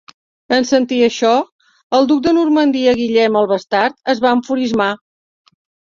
En sentir això, el duc de Normandia Guillem el Bastard es va enfurismar.